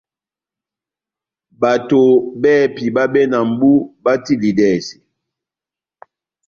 Bato bɛ́hɛ́pi báhabɛ na mʼbú batilidɛse.